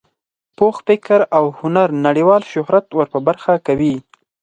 پوخ فکر او هنر نړیوال شهرت ور په برخه کوي.